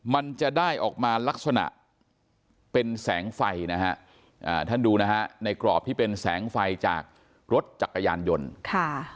มันจะได้ออกมาลักษณะเป็นแสงไฟนะฮะท่านดูนะฮะในกรอบที่เป็นแสงไฟจากรถจักรยานยนต์ค่ะ